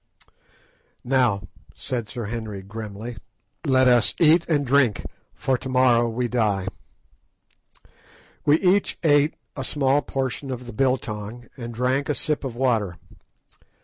"Now," said Sir Henry grimly, "let us eat and drink, for to morrow we die." We each ate a small portion of the "biltong," and drank a sip of water.